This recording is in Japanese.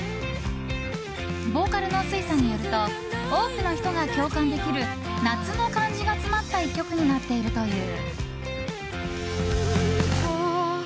ボーカルのｓｕｉｓさんによると多くの人が共感できる夏の感じが詰まった一曲になっているという。